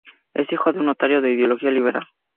Es hijo de un notario de ideología liberal.